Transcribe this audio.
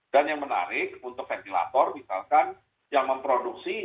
dan yang menarik untuk ventilator misalkan yang memproduksi